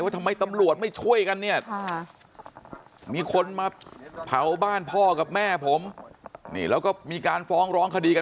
ทำไมตำรวจไม่ช่วยกันเนี่ยมีคนมาเผาบ้านพ่อกับแม่ผมนี่แล้วก็มีการฟ้องร้องคดีกัน